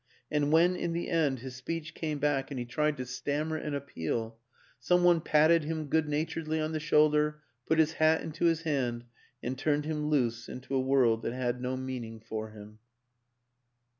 ... And when, in the end, his speech came back and he tried to stammer an appeal, some one patted him good naturedly on the shoulder, put his hat into his hand, and turned him loose into a world that had no meaning for him.